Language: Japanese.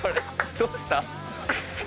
どうした？